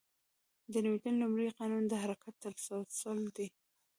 د نیوتن لومړی قانون د حرکت تسلسل دی.